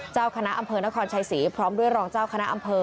เจ้าคณะอำเภอนครชัยศรีพร้อมด้วยรองเจ้าคณะอำเภอ